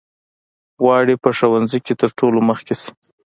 غواړي په ښوونځي کې تر نورو مخکې شي.